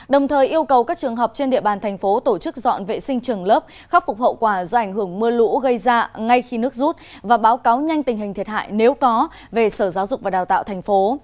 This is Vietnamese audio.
đồng thời yêu cầu các trường học trên địa bàn thành phố tổ chức dọn vệ sinh trường lớp khắc phục hậu quả do ảnh hưởng mưa lũ gây ra ngay khi nước rút và báo cáo nhanh tình hình thiệt hại nếu có về sở giáo dục và đào tạo thành phố